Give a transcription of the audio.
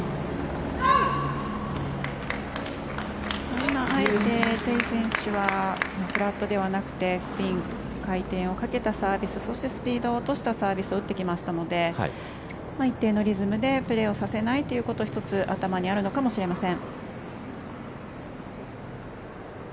今、あえてテイ選手はフラットではなくてスピン、回転をかけたサービスそしてスピードを落としたサービスを打ってきましたので一定のリズムでプレーさせないということが１つ頭にあるのかもしれません。